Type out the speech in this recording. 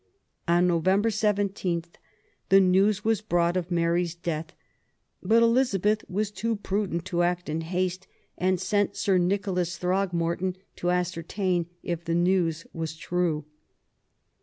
On November 17 the news was brought of Mary's death; but Elizabeth was too prudent to act in haste, and sent Sir Nicholas Throgmorton to ascertain if the news was true.